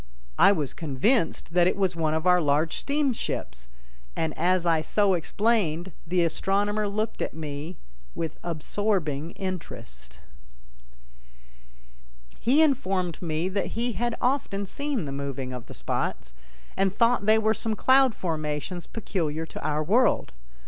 I was convinced that it was one of our large steamships, and as I so explained the astronomer looked at me with absorbing interest. He informed me that he had often seen the moving of the spots, and thought they were some cloud formations peculiar to our world.